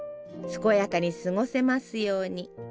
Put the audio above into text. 「健やかに過ごせますように」。